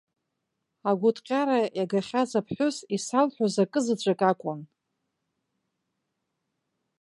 Агәыҭҟьара иагахьаз аԥҳәыс, исалҳәоз акы заҵәык акәын.